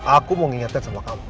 aku mau mengingatkan sama kamu